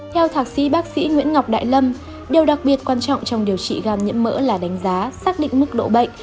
theo thạc sĩ bác sĩ nguyễn ngọc đại lâm điều đặc biệt quan trọng trong điều trị gam nhiễm mỡ là đánh giá xác định mức độ bệnh